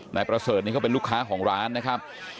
นายประเสริฐนี่เขาเป็นลูกค้าของร้านนะครับ